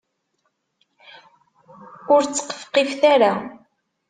Ur ttqefqifet ara.